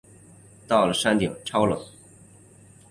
到了山顶超冷